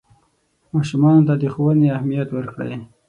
ماشومانو ته د ښوونې اهمیت ورکړئ.